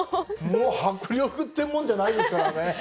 もう迫力ってもんじゃないですからね。